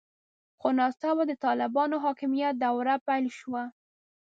خو ناڅاپه د طالبانو حاکمیت دوره پیل شوه.